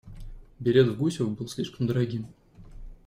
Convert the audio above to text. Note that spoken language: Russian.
Билет в Гусев был слишком дорогим.